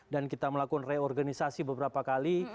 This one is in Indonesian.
dan kita melakukan reorganisasi beberapa kali